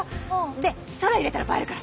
で空入れたら映えるから。